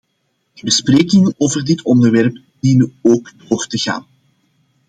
De besprekingen over dit onderwerp dienen ook door te gaan.